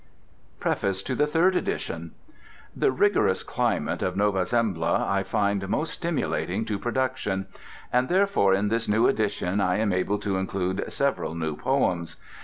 PREFACE TO THE THIRD EDITION The rigorous climate of Nova Zembla I find most stimulating to production, and therefore in this new edition I am able to include several new poems.